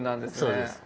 そうです。